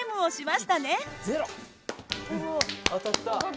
当たった？